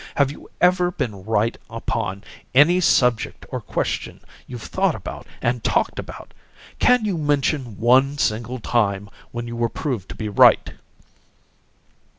Have you ever been right upon any subject or question you've thought about and talked about? Can you mention one single time when you were proved to be right?"